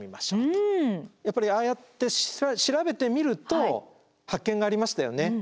やっぱりああやって調べてみると発見がありましたよね。